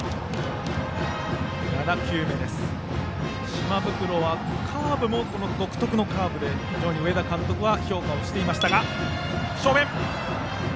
島袋はカーブも、独特のカーブで非常に上田監督は評価しています。